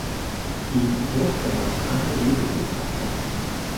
Ihm durfte man keine Lebewesen opfern.